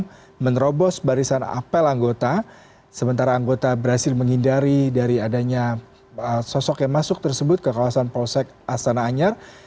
yang menerobos barisan apel anggota sementara anggota berhasil menghindari dari adanya sosok yang masuk tersebut ke kawasan polsek astana anyar